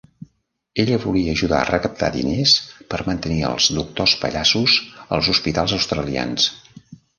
Ella volia ajudar a recaptar diners per mantenir els Doctors Pallassos als hospitals australians.